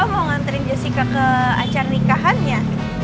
mau nganterin jessica ke acara nikahannya